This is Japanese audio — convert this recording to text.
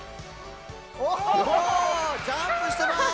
おジャンプしてます。